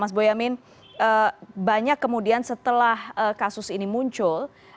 mas boyamin banyak kemudian setelah kasus ini muncul